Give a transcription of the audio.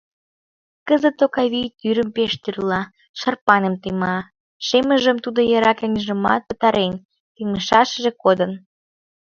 Кызыт Окавий тӱрым пеш тӱрла, шарпаным тема; шемыжым тудо яра кеҥежымак пытарен, темышашыже кодын.